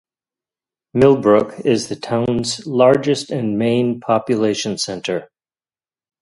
Millbrook is the township's largest and main population centre.